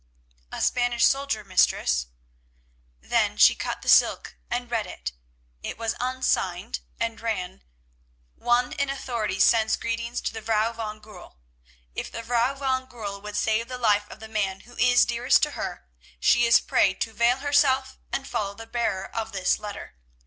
"A Spanish soldier, mistress." Then she cut the silk and read it. It was unsigned, and ran:— "One in authority sends greetings to the Vrouw van Goorl. If the Vrouw van Goorl would save the life of the man who is dearest to her, she is prayed to veil herself and follow the bearer of this letter.